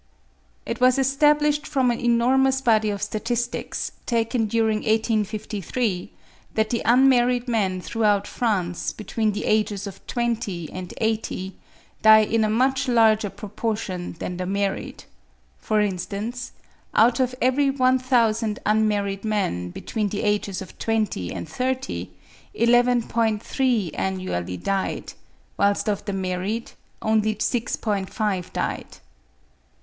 It was established from an enormous body of statistics, taken during 1853, that the unmarried men throughout France, between the ages of twenty and eighty, die in a much larger proportion than the married: for instance, out of every 1000 unmarried men, between the ages of twenty and thirty, 11.3 annually died, whilst of the married, only 6.5 died.